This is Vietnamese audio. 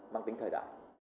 mang tính thời đại